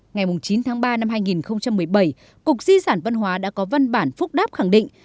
ngày chín tháng ba năm hai nghìn một mươi bảy cục di sản văn hóa đã có văn bản phúc đáp khẳng định